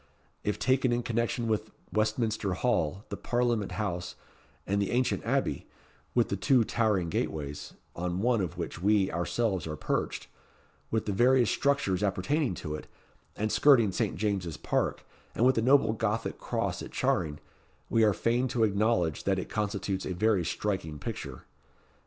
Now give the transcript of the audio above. If taken in connection with Westminster Hall, the Parliament House, and the ancient Abbey with the two towering gateways, on one of which we, ourselves, are perched with the various structures appertaining to it, and skirting Saint James's Park, and with the noble gothic cross at Charing, we are fain to acknowledge, that it constitutes a very striking picture.